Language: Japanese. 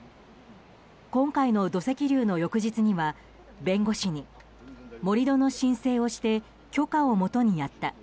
今回の土石流の翌日には弁護士に盛り土の申請をして許可をもとにやった。